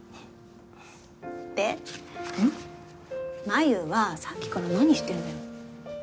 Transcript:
真夢はさっきから何してるのよ？